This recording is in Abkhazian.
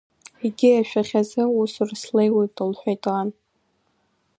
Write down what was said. Егьи ашәахьазы усура слеиуеит, – лҳәеит ан.